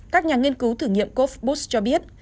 các nhà nghiên cứu thử nghiệm coopbus cho biết